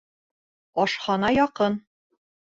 Ашхана яҡын